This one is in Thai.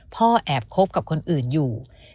พ่อแอบคบกับคนอื่นอยู่